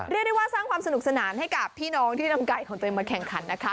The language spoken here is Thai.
เรียกได้ว่าสร้างความสนุกสนานให้กับพี่น้องที่นำไก่ของตัวเองมาแข่งขันนะคะ